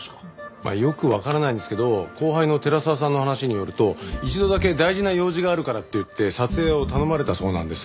まあよくわからないんですけど後輩の寺沢さんの話によると一度だけ大事な用事があるからっていって撮影を頼まれたそうなんです。